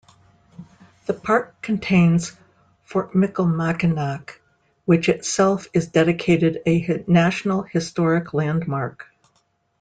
The park contains Fort Michilimackinac, which itself is dedicated a National Historic Landmark.